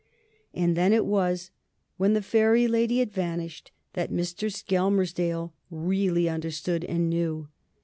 And then it was, when the Fairy Lady had vanished, that Mr. Skelmersdale really understood and knew.